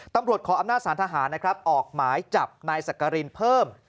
ขออำนาจสารทหารนะครับออกหมายจับนายสักกรินเพิ่ม